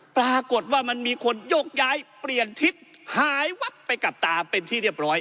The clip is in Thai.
ปรากฏว่ามันมีคนโยกย้ายเปลี่ยนทิศหายวับไปกับตาเป็นที่เรียบร้อย